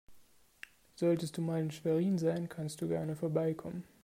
Solltest du mal in Schwerin sein, kannst du gerne vorbeikommen.